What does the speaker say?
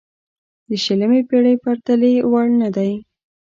د شلمې پېړۍ پرتلې وړ نه دی.